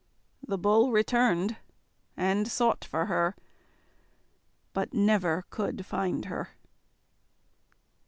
The Bull returned and sought for her, but never could find her.